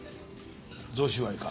贈収賄か？